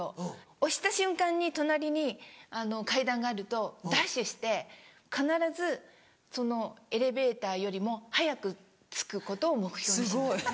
押した瞬間に隣に階段があるとダッシュして必ずそのエレベーターよりも早く着くことを目標にします。